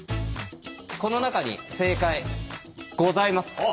この中に正解ございます。